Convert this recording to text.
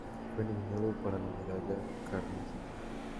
Fue nominado para la Medalla Carnegie.